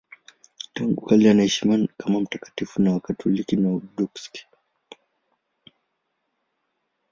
Tangu kale anaheshimiwa kama mtakatifu na Wakatoliki na Waorthodoksi.